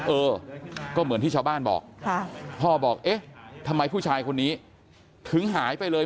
เออก็เหมือนที่ชาวบ้านบอกพ่อบอกเอ๊ะทำไมผู้ชายคนนี้ถึงหายไปเลย